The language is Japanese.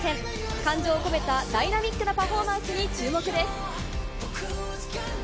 感情を込めたダイナミックなパフォーマンスに注目です。